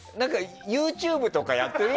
ＹｏｕＴｕｂｅとかやってる？